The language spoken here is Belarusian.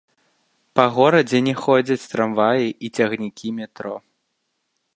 Па горадзе не ходзяць трамваі і цягнікі метро.